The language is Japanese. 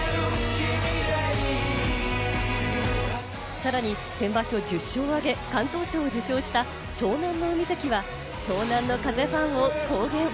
さらに先場所、１０勝を挙げ、敢闘賞を受賞した湘南乃海関は湘南乃風ファンを公言。